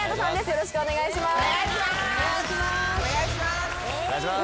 よろしくお願いします。